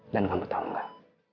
dan kamu tau gak